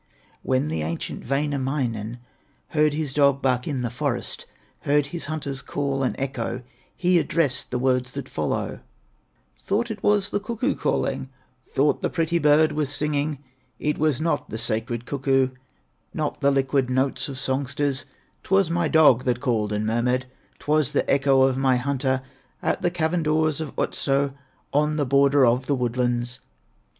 When the ancient Wainamoinen Heard his dog bark in the forest, Heard his hunter's call and echo, He addressed the words that follow: "Thought it was the cuckoo calling, Thought the pretty bird was singing; It was not the sacred cuckoo, Not the liquid notes of songsters, 'Twas my dog that called and murmured, 'Twas the echo of my hunter At the cavern doors of Otso, On the border of the woodlands."